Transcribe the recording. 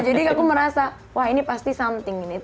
jadi aku merasa wah ini pasti something ini